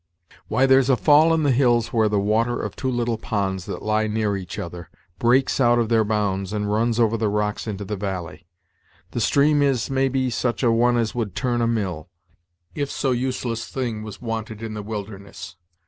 "Why, there's a fall in the hills where the water of two little ponds. that lie near each other, breaks out of their bounds and runs over the rocks into the valley. The stream is, maybe, such a one as would turn a mill, if so useless thing was wanted in the wilderness.